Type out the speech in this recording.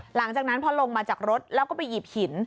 หลังจากนั้นพอลงมาจากรถแล้วก็ไปหยิบหิน